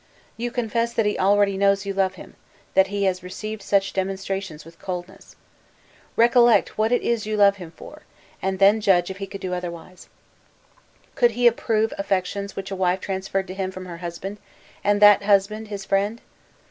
You confess that he already knows you love him that he has received such demonstrations with coldness. Recollect what it is you love him for, and then judge if he could do otherwise. Could he approve affections which a wife transferred to him from her husband, and that husband his friend?"